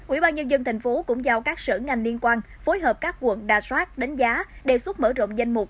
ubnd tp hcm cũng giao các sở ngành liên quan phối hợp các quận đa soát đánh giá đề xuất mở rộng danh mục